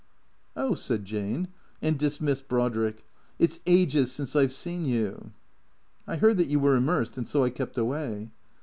" Oh " said Jane, and dismissed Brodrick. " It 's ages since I 've seen you." " I heard that you were immersed, and so I kept away."